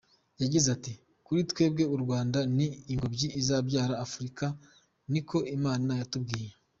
Yagize ati “Kuri twebwe u Rwanda ni ingobyi izabyara Afurika niko Imana yatubwiye.